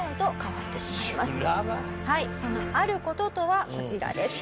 はいそのある事とはこちらです。